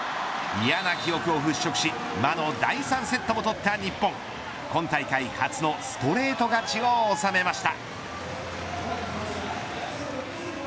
嫌な記憶を払しょくし魔の第３セットも取った日本今大会初のストレート勝ちを収めました。